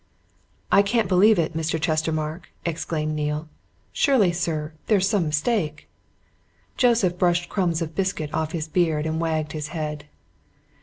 "I can't believe it, Mr. Chestermarke!" exclaimed Neale. "Surely, sir, there's some mistake!" Joseph brushed crumbs of biscuit off his beard and wagged his head.